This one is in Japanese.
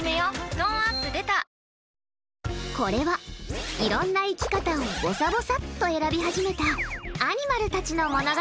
トーンアップ出たこれは、いろんな生き方をぼさぼさっと選び始めたアニマルたちの物語。